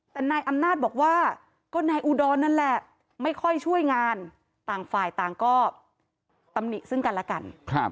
แต่นายอำนาจบอกว่าก็นายอุดรนั่นแหละไม่ค่อยช่วยงานต่างฝ่ายต่างก็ตำหนิซึ่งกันแล้วกัน